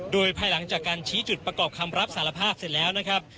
โดยภายหลังจากการชี้จุดประกอบคำรับสารภาพเสร็จแล้วนะครับ